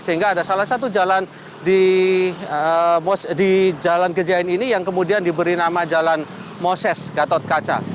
sehingga ada salah satu jalan di jalan gejayan ini yang kemudian diberi nama jalan moses gatot kaca